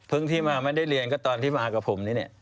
ที่มาไม่ได้เรียนก็ตอนที่มากับผมนี่เนี่ย